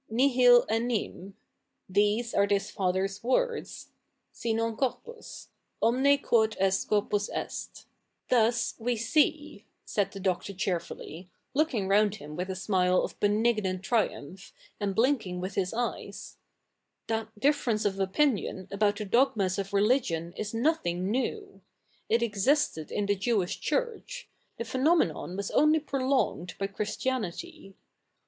'■'■Nihil e7iim^' — these are this Father's wo7'ds — "j / 7wn co7pus. 077ine quod' est CH. i] THE NEW REPUBLIC 3i corpus esty Thus we see,'' said the Doctor cheerfully, looking round him with a smile of benignant triumph, and blinking with his eyes, ' that difference of opi7iion about tJie dogmas of religion is nothing neiv. It existed in the Jeivish Church ; the phenomenon was only prolofiged by Christianity.